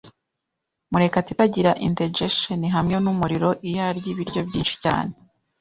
Murekatete agira indigestion hamwe numuriro iyo arya ibiryo byinshi cyane.